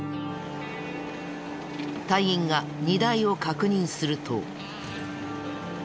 隊員が荷台を確認すると。